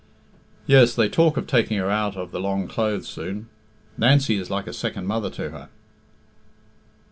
"Yes; they talk of taking her out of the long clothes soon. Nancy is like a second mother to her."